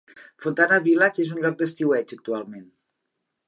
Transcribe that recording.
Fontana Village és un lloc d'estiueig actualment.